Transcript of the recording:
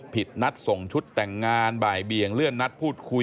นัดส่งชุดแต่งงานบ่ายเบียงเลื่อนนัดพูดคุย